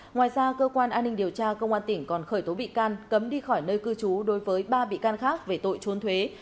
ngoài ra cơ quan an ninh điều tra công an tỉnh còn khởi tố bị can cấm đi khỏi nơi cư trú đối với ba bị can khác về tội trốn thuế